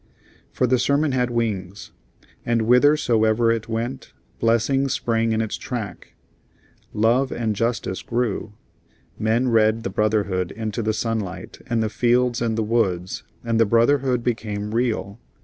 For the sermon had wings; and whithersoever it went blessings sprang in its track. Love and justice grew; men read the brotherhood into the sunlight and the fields and the woods, and the brotherhood became real.